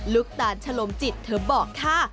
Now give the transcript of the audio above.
ตาลชะลมจิตเธอบอกค่ะ